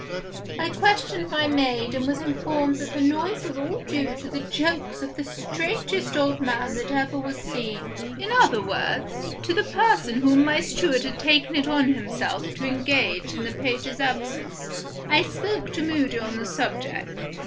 I questioned my maid, and was informed that the noise was all due to the jokes of the strangest old man that ever was seen. In other words, to the person whom my steward had taken it on himself to engage in the page's absence. I spoke to Moody on the subject.